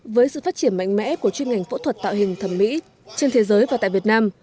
với sự phát triển mạnh mẽ của chuyên ngành phẫu thuật tạo hình thẩm mỹ trên thế giới và tại việt nam